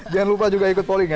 jangan lupa juga ikut polling ya